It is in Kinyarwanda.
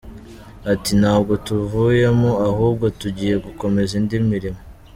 Ati “Ntabwo tuvuyemo ahubwo tugiye gukomeza indi mirimo.